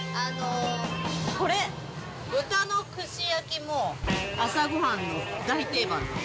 これ、豚の串焼きも、朝ごはんの大定番。